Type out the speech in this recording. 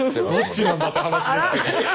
どっちなんだって話ですけど。